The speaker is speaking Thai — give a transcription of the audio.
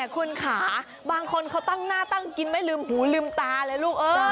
คุณขาบางคนเขาตั้งหน้าตั้งกินไม่ลืมหูลืมตาเลยลูก